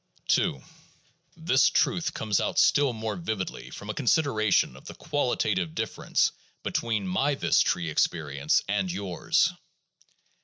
II This truth comes out still more vividly from a consideration of the qualitative difference between my "this tree" experience and yours.